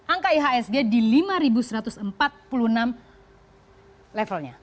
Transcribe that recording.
angka ihsg di lima satu ratus empat puluh enam levelnya